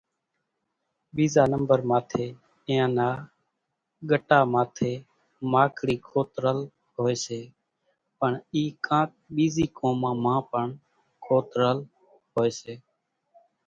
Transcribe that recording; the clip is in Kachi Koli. ٻيزا نمڀر ماٿيَ اينيان نا ڳٽا ماٿيَ ماکلِي کوترل هوئيَ سي، پڻ اِي ڪانڪ ٻيزِي قومان مان پڻ کوتريل هوئيَ سي۔